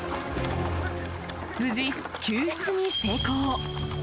無事、救出に成功。